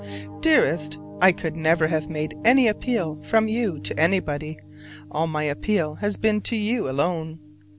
Dearest: I could never have made any appeal from you to anybody: all my appeal has been to you alone.